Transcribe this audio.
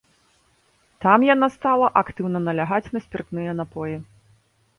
Там яна стала актыўна налягаць на спіртныя напоі.